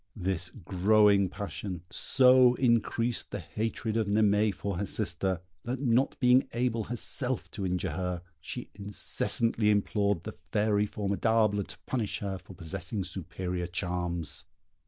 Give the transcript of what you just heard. This growing passion so increased the hatred of Naimée for her sister, that not being able herself to injure her, she incessantly implored the fairy Formidable to punish her for possessing superior charms.